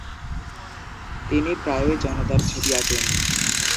তিনি প্রায়ই জনতার ছবি আঁকেন।